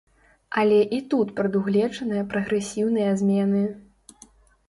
Але і тут прадугледжаныя прагрэсіўныя змены.